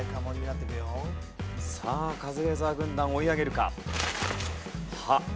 さあカズレーザー軍団追い上げるか？